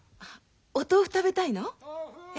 お豆腐食べたいの？え？